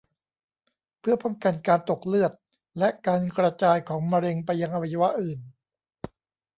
เพื่อป้องกันการตกเลือด และการกระจายของมะเร็งไปยังอวัยวะอื่น